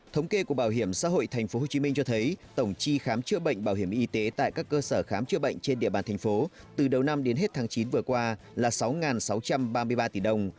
thống kê của bảo hiểm xã hội tp hcm cho thấy tổng chi khám chữa bệnh bảo hiểm y tế tại các cơ sở khám chữa bệnh trên địa bàn thành phố từ đầu năm đến hết tháng chín vừa qua là sáu sáu trăm ba mươi ba tỷ đồng